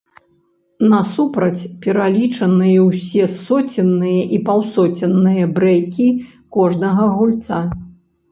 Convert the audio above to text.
Насупраць пералічаныя ўсе соценныя і паўсоценныя брэйкі кожнага гульца.